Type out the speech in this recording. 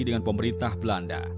dengan pemerintah belanda